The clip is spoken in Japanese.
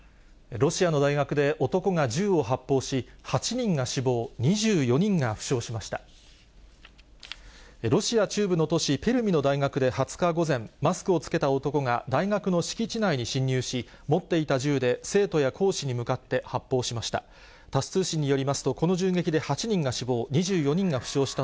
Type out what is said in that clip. ロシア中部の都市ペルミの大学で、２０日午前、マスクを着けた男が大学の敷地内に侵入し、持っていた銃で生徒や講師に向かって発砲しました。